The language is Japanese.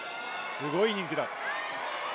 すごい人気だ。